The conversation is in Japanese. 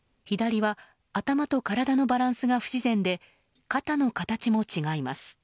左は頭と体のバランスが不自然で肩の形も違います。